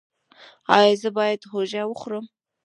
ایا زه باید هوږه وخورم؟